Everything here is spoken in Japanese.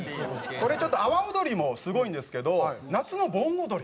これちょっと阿波おどりもすごいんですけど夏の盆踊り